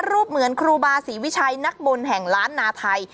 เหมือนครูบาศรีวิชัยนักบุญแห่งล้านนาไทย